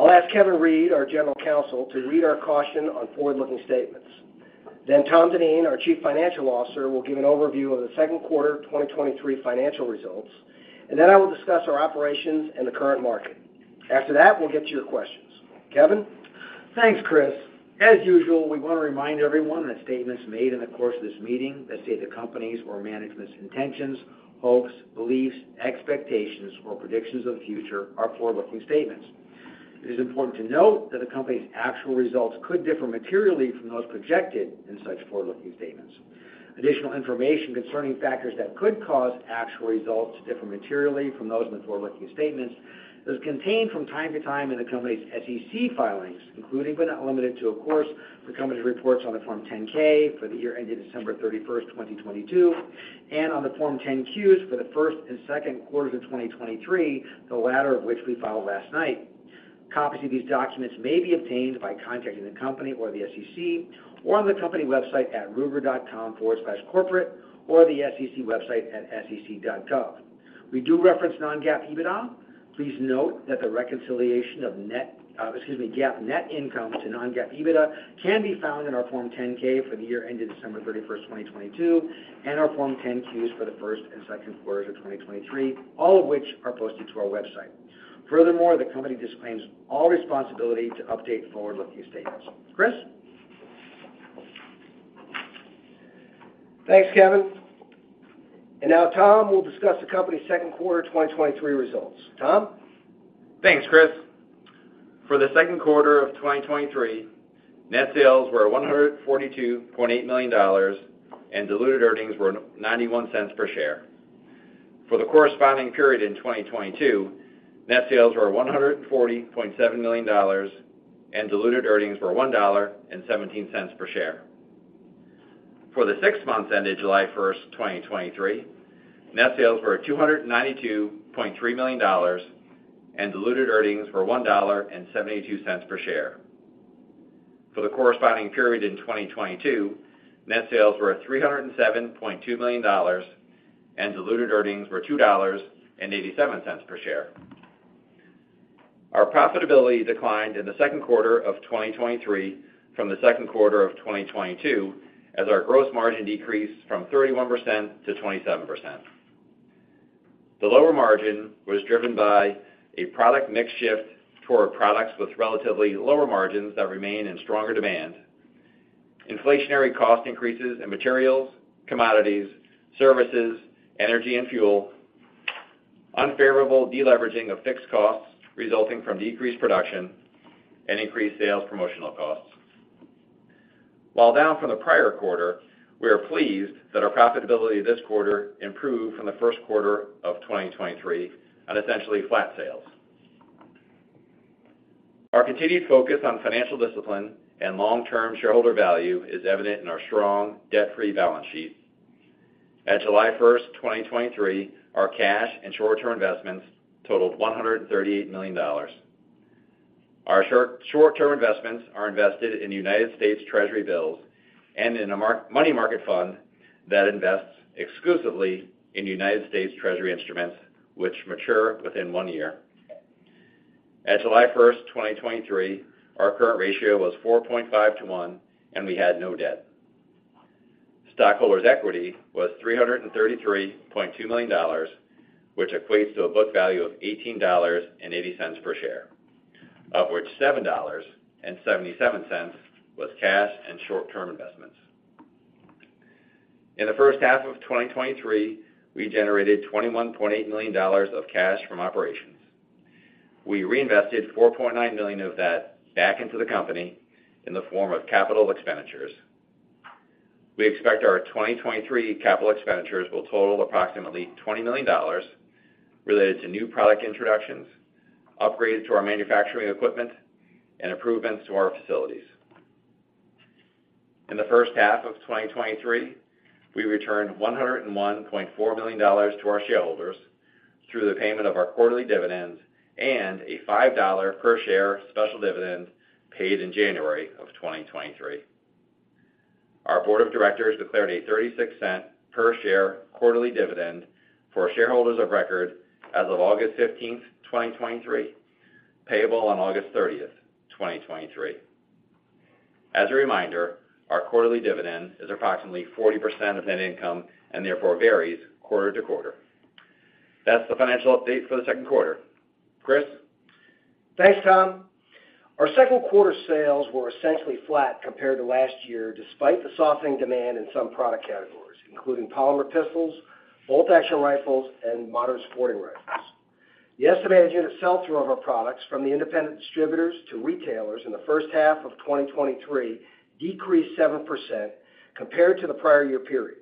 I'll ask Kevin Reid, our General Counsel, to read our caution on forward-looking statements. Tom Dineen, our Chief Financial Officer, will give an overview of the second quarter of 2023 financial results, and then I will discuss our operations and the current market. After that, we'll get to your questions. Kevin? Thanks, Chris. As usual, we want to remind everyone that statements made in the course of this meeting that state the company's or management's intentions, hopes, beliefs, expectations, or predictions of the future are forward-looking statements. It is important to note that the company's actual results could differ materially from those projected in such forward-looking statements. Additional information concerning factors that could cause actual results to differ materially from those in the forward-looking statements is contained from time to time in the company's SEC filings, including but not limited to, of course, the company's reports on the Form 10-K for the year ended December 31st, 2022, and on the Form 10-Qs for the first and second quarters of 2023, the latter of which we filed last night. Copies of these documents may be obtained by contacting the company or the SEC, or on the company website at ruger.com/corporate, or the SEC website at sec.gov. We do reference Non-GAAP EBITDA. Please note that the reconciliation of net, excuse me, GAAP net income to Non-GAAP EBITDA can be found in our Form 10-K for the year ended December 31st, 2022, and our Form 10-Qs for the first and second quarters of 2023, all of which are posted to our website. Furthermore, the company disclaims all responsibility to update forward-looking statements. Chris? Thanks, Kevin. Now, Tom will discuss the company's second quarter 2023 results. Tom? Thanks, Chris. For the second quarter of 2023, net sales were $142.8 million, and diluted earnings were $0.91 per share. For the corresponding period in 2022, net sales were $140.7 million, and diluted earnings were $1.17 per share. For the six months ended July 1st, 2023, net sales were $292.3 million, and diluted earnings were $1.72 per share. For the corresponding period in 2022, net sales were $307.2 million, and diluted earnings were $2.87 per share. Our profitability declined in the second quarter of 2023 from the second quarter of 2022, as our gross margin decreased from 31%-27%. The lower margin was driven by a product mix shift toward products with relatively lower margins that remain in stronger demand, inflationary cost increases in materials, commodities, services, energy, and fuel, unfavorable deleveraging of fixed costs resulting from decreased production and increased sales promotional costs. While down from the prior quarter, we are pleased that our profitability this quarter improved from the first quarter of 2023 on essentially flat sales. Our continued focus on financial discipline and long-term shareholder value is evident in our strong, debt-free balance sheet. At July 1st, 2023, our cash and short-term investments totaled $138 million. Our short-term investments are invested in United States Treasury bills and in a money market fund that invests exclusively in United States Treasury instruments, which mature within one year. At July 1st, 2023, our current ratio was 4.5 to 1, and we had no debt. Stockholders' equity was $333.2 million, which equates to a book value of $18.80 per share, of which $7.77 was cash and short-term investments. In the first half of 2023, we generated $21.8 million of cash from operations. We reinvested $4.9 million of that back into the company in the form of capital expenditures. We expect our 2023 capital expenditures will total approximately $20 million related to new product introductions, upgrades to our manufacturing equipment, and improvements to our facilities. In the first half of 2023, we returned $101.4 million to our shareholders through the payment of our quarterly dividends and a $5 per share special dividend paid in January of 2023. Our board of directors declared a $0.36 per share quarterly dividend for shareholders of record as of August fifteenth, 2023, payable on August thirtieth, 2023. As a reminder, our quarterly dividend is approximately 40% of net income and therefore varies quarter to quarter. That's the financial update for the second quarter. Chris? Thanks, Tom. Our second quarter sales were essentially flat compared to last year, despite the softening demand in some product categories, including polymer pistols, bolt-action rifles, and modern sporting rifles. The estimated unit sell-through of our products from the independent distributors to retailers in the first half of 2023 decreased 7% compared to the prior year period.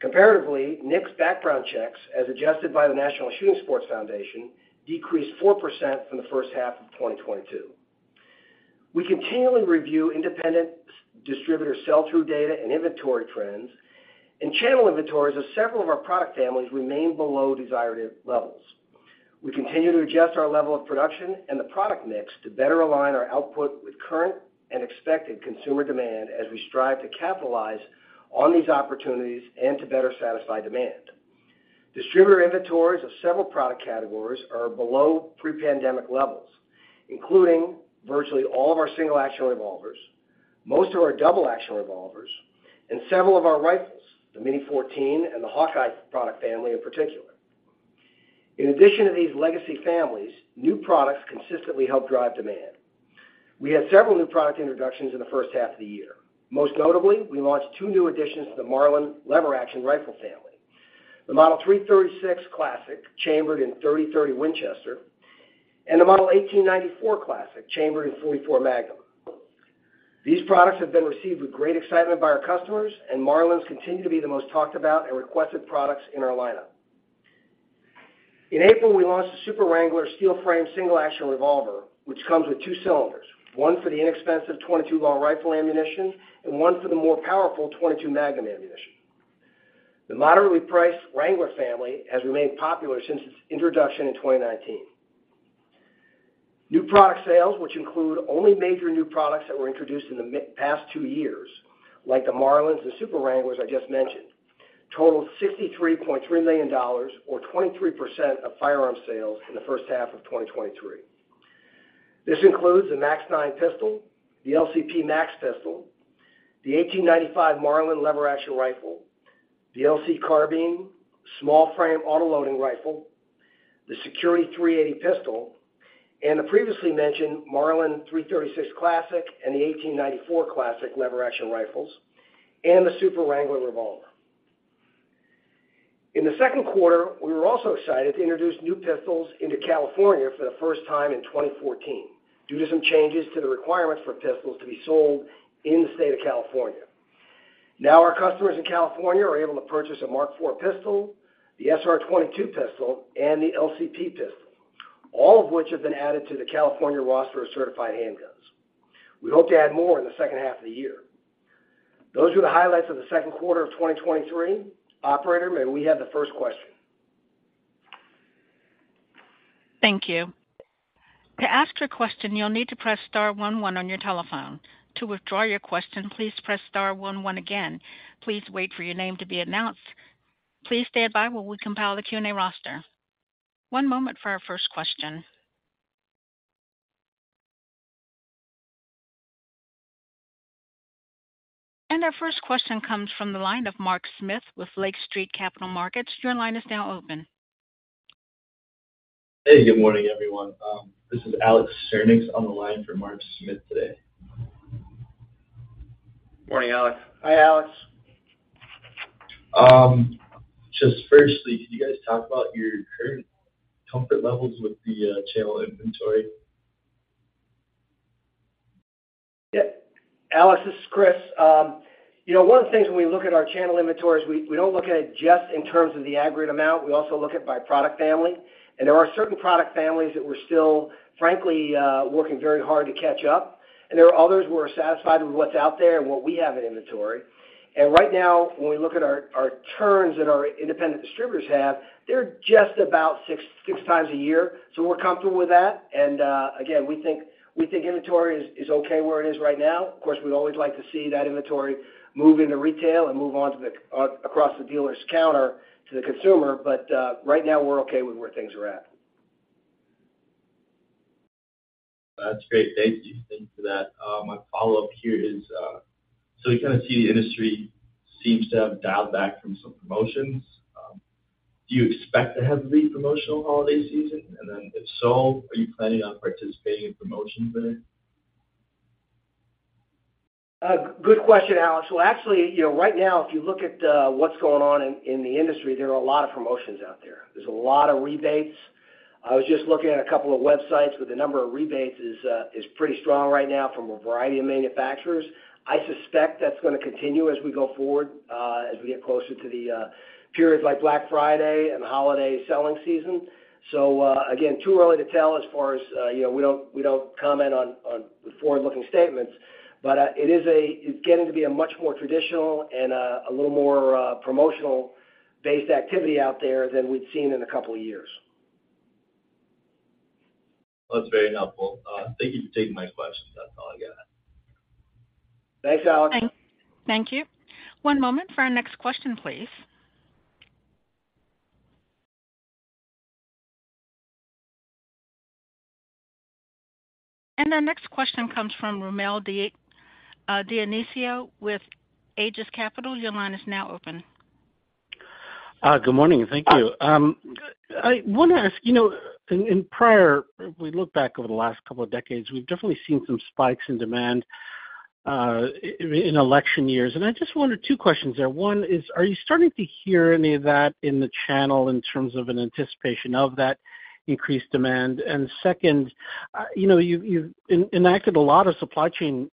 Comparatively, NICS background checks, as adjusted by the National Shooting Sports Foundation, decreased 4% from the first half of 2022. We continually review independent distributor sell-through data and inventory trends, and channel inventories of several of our product families remain below desired levels. We continue to adjust our level of production and the product mix to better align our output with current and expected consumer demand, as we strive to capitalize on these opportunities and to better satisfy demand.... Distributor inventories of several product categories are below pre-pandemic levels, including virtually all of our single-action revolvers, most of our double-action revolvers, and several of our rifles, the Mini-14 and the Hawkeye product family in particular. In addition to these legacy families, new products consistently help drive demand. We had several new product introductions in the first half of the year. Most notably, we launched two new additions to the Marlin lever-action rifle family: the Model 336 Classic, chambered in .30-30 Winchester, and the Model 1894 Classic, chambered in .44 Magnum. These products have been received with great excitement by our customers, and Marlins continue to be the most talked about and requested products in our lineup. In April, we launched the Super Wrangler steel frame single-action revolver, which comes with two cylinders, one for the inexpensive .22 Long Rifle ammunition and one for the more powerful .22 Magnum ammunition. The moderately priced Wrangler family has remained popular since its introduction in 2019. New product sales, which include only major new products that were introduced in the past two years, like the Marlins and Super Wranglers I just mentioned, totaled $63.3 million or 23% of firearm sales in the first half of 2023. This includes the MAX-9 pistol, the LCP MAX pistol, the 1895 Marlin lever action rifle, the LC Carbine, small frame autoloading rifle, the Security 380 pistol, and the previously mentioned Marlin 336 Classic and the 1894 Classic lever action rifles, and the Super Wrangler revolver. In the second quarter, we were also excited to introduce new pistols into California for the first time in 2014 due to some changes to the requirements for pistols to be sold in the state of California. Now, our customers in California are able to purchase a Mark IV pistol, the SR22 pistol, and the LCP pistol, all of which have been added to the California roster of certified handguns. We hope to add more in the second half of the year. Those were the highlights of the second quarter of 2023. Operator, may we have the first question? Thank you. To ask your question, you'll need to press star one one on your telephone. To withdraw your question, please press star one one again. Please wait for your name to be announced. Please stand by while we compile the Q&A roster. One moment for our first question. Our first question comes from the line of Mark Smith with Lake Street Capital Markets. Your line is now open. Hey, good morning, everyone. This is Alex Sturnieks on the line for Mark Smith today. Morning, Alex. Hi, Alex. Just firstly, can you guys talk about your current comfort levels with the channel inventory? Yeah. Alex, this is Chris. You know, one of the things when we look at our channel inventories, we, we don't look at it just in terms of the aggregate amount, we also look at by product family. There are certain product families that we're still, frankly, working very hard to catch up, and there are others who are satisfied with what's out there and what we have in inventory. Right now, when we look at our, our turns that our independent distributors have, they're just about 6x a year, so we're comfortable with that. Again, we think, we think inventory is, is okay where it is right now. Of course, we'd always like to see that inventory move into retail and move on across the dealer's counter to the consumer, but, right now we're okay with where things are at. That's great. Thank you. Thank you for that. My follow-up here is, we kind of see the industry seems to have dialed back from some promotions. Do you expect to have a promotional holiday season? If so, are you planning on participating in promotions then? Good question, Alex. Well, actually, you know, right now, if you look at what's going on in the industry, there are a lot of promotions out there. There's a lot of rebates. I was just looking at a couple of websites where the number of rebates is pretty strong right now from a variety of manufacturers. I suspect that's gonna continue as we go forward, as we get closer to the periods like Black Friday and holiday selling season. Again, too early to tell as far as, you know, we don't, we don't comment on, on forward-looking statements, but it's getting to be a much more traditional and a little more promotional-based activity out there than we've seen in a couple of years. That's very helpful. Thank you for taking my questions. That's all I got. Thanks, Alex. Thank you. One moment for our next question, please. Our next question comes from Rommel Dionisio with Aegis Capital. Your line is now open. Good morning, and thank you. I want to ask, you know, in, in prior, if we look back over the last couple of decades, we've definitely seen some spikes in demand, in election years. I just wondered two questions there. One is, are you starting to hear any of that in the channel in terms of an anticipation of that increased demand? Second, you know, you've, you've enacted a lot of supply chain,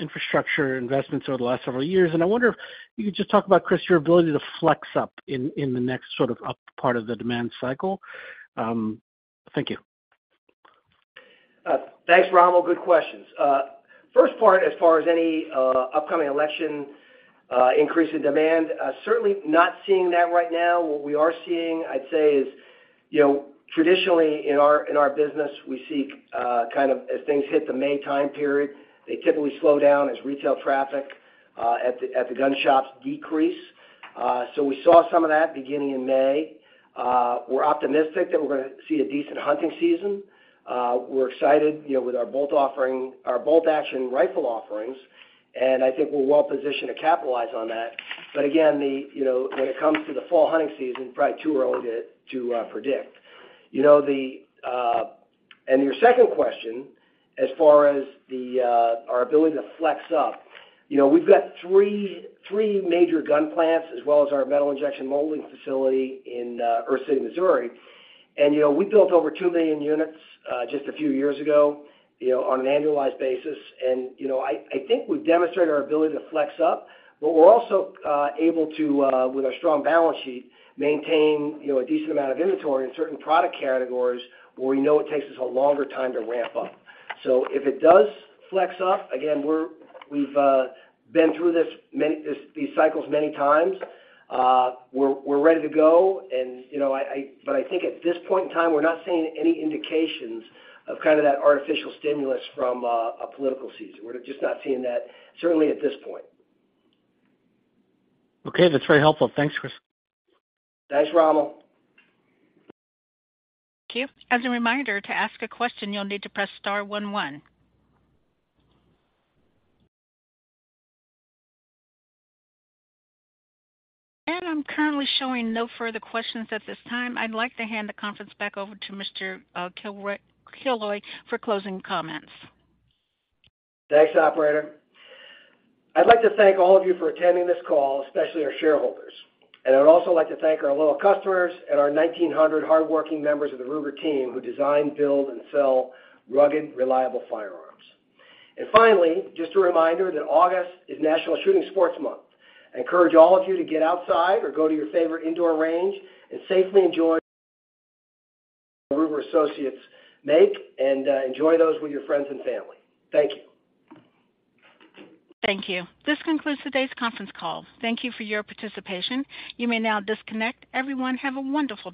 infrastructure investments over the last several years, and I wonder if you could just talk about, Chris, your ability to flex up in, in the next sort of up part of the demand cycle. Thank you. Thanks, Rommel. Good questions. First part, as far as any upcoming election, increase in demand, certainly not seeing that right now. What we are seeing, I'd say, is. You know, traditionally, in our, in our business, we see, kind of, as things hit the May time period, they typically slow down as retail traffic at the gun shops decrease. We saw some of that beginning in May. We're optimistic that we're gonna see a decent hunting season. We're excited, you know, with our bolt offering, our bolt-action rifle offerings, and I think we're well positioned to capitalize on that. Again, the, you know, when it comes to the fall hunting season, probably too early to, to predict. You know, the, and your second question, as far as the, our ability to flex up, you know, we've got three, three major gun plants as well as our metal injection molding facility in Earth City, Missouri. You know, we built over 2 million units, just a few years ago, you know, on an annualized basis. You know, I, I think we've demonstrated our ability to flex up, but we're also able to, with our strong balance sheet, maintain, you know, a decent amount of inventory in certain product categories where we know it takes us a longer time to ramp up. If it does flex up, again, we've been through this many, these, these cycles many times. We're, we're ready to go and, you know, I, I, but I think at this point in time, we're not seeing any indications of kind of that artificial stimulus from a, a political season. We're just not seeing that, certainly at this point. Okay, that's very helpful. Thanks, Chris. Thanks, Rommel. Thank you. As a reminder, to ask a question, you'll need to press star one, one. I'm currently showing no further questions at this time. I'd like to hand the conference back over to Mr. Killoy for closing comments. Thanks, operator. I'd like to thank all of you for attending this call, especially our shareholders. I'd also like to thank our loyal customers and our 1,900 hardworking members of the Ruger team, who design, build, and sell rugged, reliable firearms. Finally, just a reminder that August is National Shooting Sports Month. I encourage all of you to get outside or go to your favorite indoor range and safely enjoy Ruger Associates make and enjoy those with your friends and family. Thank you. Thank you. This concludes today's conference call. Thank you for your participation. You may now disconnect. Everyone, have a wonderful day.